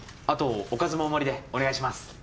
あとおかずも大盛りでお願いします！